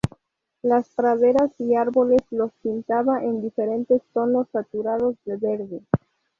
Las praderas y árboles los pintaba en diferentes tonos saturados de verde.